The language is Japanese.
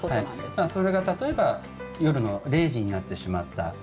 それが例えば夜の０時になってしまった。